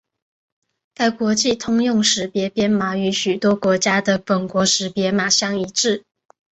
该国际通用识别编码与许多国家的本国识别码相一致。